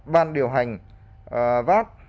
ban điều hành vat